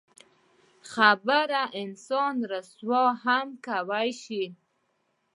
خبره انسان رسوا هم کولی شي.